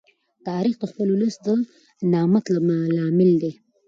تاریخ د خپل ولس د نامت لامل دی.